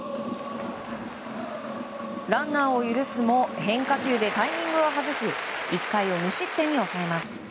ランナーを許すも変化球でタイミングを外し１回を無失点に抑えます。